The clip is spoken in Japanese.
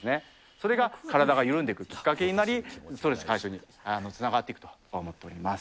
それが体が緩んでいくきっかけになり、ストレス解消につながっていくと思っております。